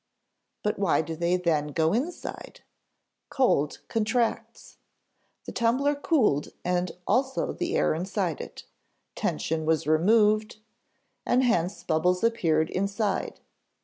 "But why do they then go inside? Cold contracts. The tumbler cooled and also the air inside it. Tension was removed, and hence bubbles appeared inside.